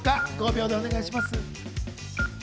５秒でお願いします。